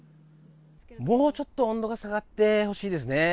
もうちょっと温度が下がってほしいですね。